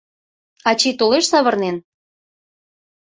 Ачий толеш савырнен?